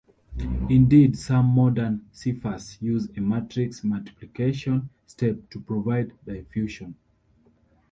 Indeed, some modern ciphers use a matrix multiplication step to provide diffusion.